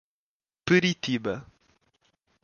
Peritiba